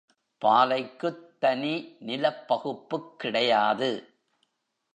பாலைக்குத் தனி நிலப்பகுப்புக் கிடையாது.